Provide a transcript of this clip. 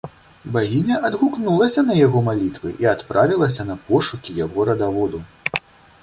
Багіня адгукнулася на яго малітвы і адправілася на пошукі яго радаводу.